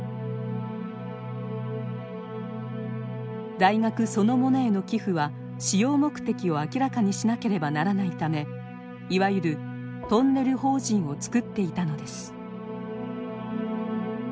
大学そのものへの寄付は使用目的を明らかにしなければならないためいわゆる「トンネル法人」を作っていたのです。